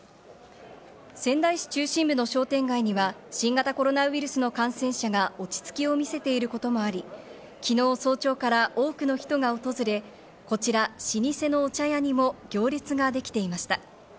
仙台市中心部の商店街には新型コロナウイルスの感染者が落ち着きを見せていることもあり、昨日早朝から多くの人が訪れ、こちら老舗のお茶屋にも行列ができていました。